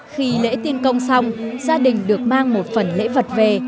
khi lễ tiên công xong gia đình được mang một phần lễ vật về